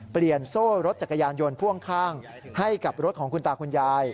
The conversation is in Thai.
โซ่รถจักรยานยนต์พ่วงข้างให้กับรถของคุณตาคุณยาย